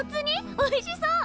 おいしそう！